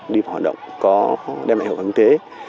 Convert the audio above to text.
đi vào hoạt động có đem lại hợp ứng thế